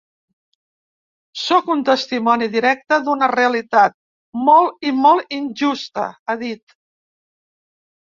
Sóc un testimoni directe d’una realitat molt i molt injusta, ha dit.